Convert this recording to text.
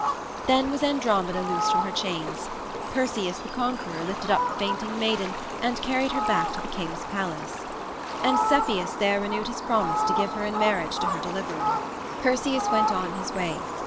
Then was Andromeda loosed from her chains. Perseus, the conqueror, lifted up the fainting maiden and carried her back to the king's palace. And Cepheus there renewed his promise to give her in marriage to her deliverer. Perseus went on his way.